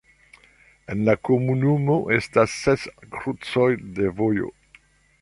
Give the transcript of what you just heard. En la komunumo estas ses krucoj de vojo.